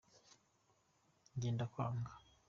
njyendakwanga